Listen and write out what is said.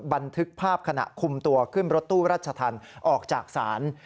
บันทึกภาพขณะคุมตัวขึ้นรถตู้รัชธรรมออกจากศาล